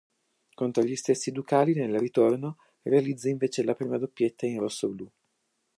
Contro gli stessi ducali, nel ritorno, realizza invece la prima doppietta in rossoblu.